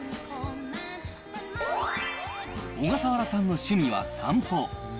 小笠原さんの趣味は散歩。